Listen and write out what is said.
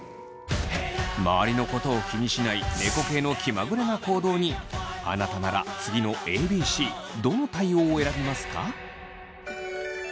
周りのことを気にしない猫系の気まぐれな行動にあなたなら次のＡＢＣどの対応を選びますか？